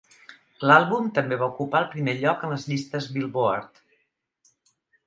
L'àlbum també va ocupar el primer lloc en les llistes Billboard.